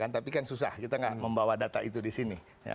tapi kan susah kita nggak membawa data itu di sini